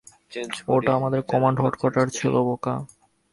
ওটা আমাদের command headquarter ছিল, বোকা!